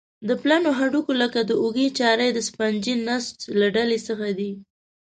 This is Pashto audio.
د پلنو هډوکو لکه د اوږو چارۍ د سفنجي نسج له ډلې څخه دي.